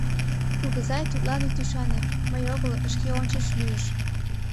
Кугызай, тудлан ит ӱшане: мый огыл, шке ончыч лӱйыш.